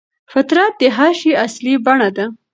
فطرت د هر شي اصلي بڼه ده.